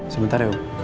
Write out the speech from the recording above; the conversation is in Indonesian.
sebentar ya om